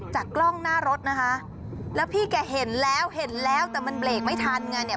กล้องหน้ารถนะคะแล้วพี่แกเห็นแล้วเห็นแล้วแต่มันเบรกไม่ทันไงเนี่ย